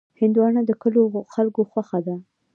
هندوانه د کلیو خلکو خوښه ده.